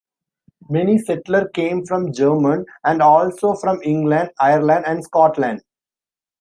Many settler came from German, and also from England, Ireland and Scotland.